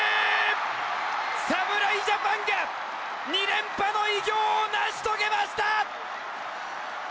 侍ジャパンが２連覇の偉業を成し遂げました。